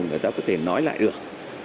người ta có thể nói lại được